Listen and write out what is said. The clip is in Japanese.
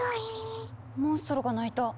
モンストロが鳴いた。